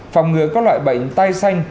phòng ngừa các loại bệnh tai xanh